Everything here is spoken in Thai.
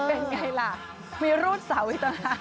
เป็นอย่างไรมีรูปสาวอิตรา